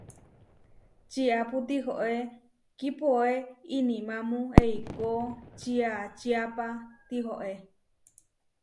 Čiápu tihoé kipoé inimámu eikó čiačiapa tihoé.